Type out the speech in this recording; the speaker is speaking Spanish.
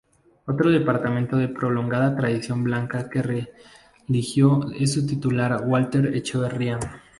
Otro departamento de prolongada tradición blanca que reeligió a su titular Walter Echeverría.